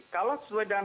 kalau sesuai dengan